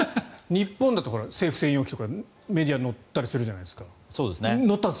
日本だと政府専用機とかメディアも乗ったりするじゃないですか？